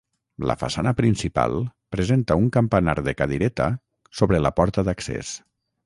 La façana principal presenta un campanar de cadireta sobre la porta d'accés.